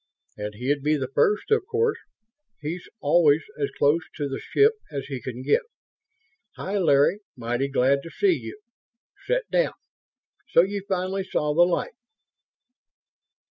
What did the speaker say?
"And he'd be the first, of course he's always as close to the ship as he can get. Hi, Larry, mighty glad to see you. Sit down.... So you finally saw the light?"